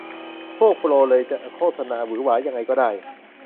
พวกโปรเลยจะโฆษณาหวือหวายังไงก็ได้